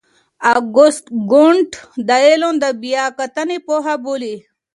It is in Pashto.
اګوست کُنت دا علم د بیا کتنې پوهه بولي.